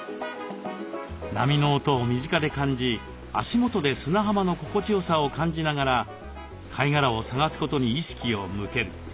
波の音を身近で感じ足元で砂浜の心地よさを感じながら貝殻を探すことに意識を向ける。